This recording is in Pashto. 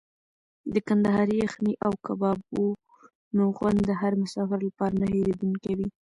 د کندهاري یخني او کبابونو خوند د هر مسافر لپاره نه هېرېدونکی وي.